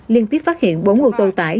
liên tiếp phát hiện bốn ô tô tải